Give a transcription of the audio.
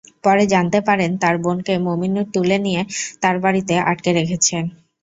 পরে জানতে পারেন তাঁর বোনকে মমিনুর তুলে নিয়ে তাঁর বাড়িতে আটকে রেখেছেন।